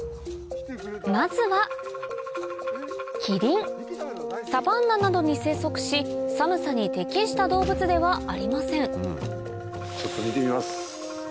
まずはキリンサバンナなどに生息し寒さに適した動物ではありませんちょっと見てみます。